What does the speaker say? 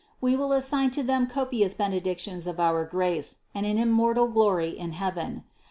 We will assign to them copious benedictions of our grace and an immortal glory in heaven.